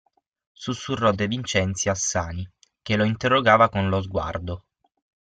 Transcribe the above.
Sussurrò De Vincenzi a Sani, che lo interrogava con lo sguardo.